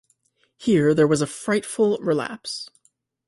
Here there was a frightful relapse.